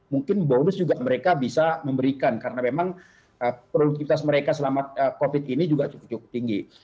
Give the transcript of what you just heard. mungkin bonus juga mereka bisa memberikan karena memang produktivitas mereka selama covid ini juga cukup cukup tinggi